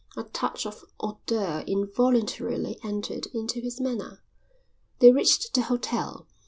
A touch of hauteur involuntarily entered into his manner. They reached the hotel.